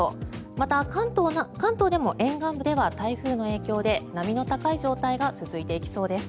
また、関東でも沿岸部では台風の影響で波の高い状態が続いていきそうです。